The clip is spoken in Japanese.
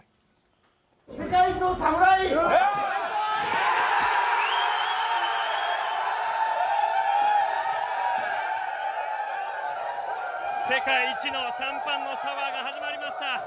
世界一の侍、世界一のシャンパンのシャワーが始まりました。